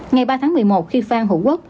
ngày ba tháng một mươi một khi phan hữu quốc